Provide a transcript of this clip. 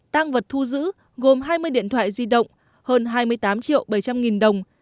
tăng vật thu giữ gồm hai mươi điện thoại di động hơn hai mươi tám triệu bảy trăm linh nghìn đồng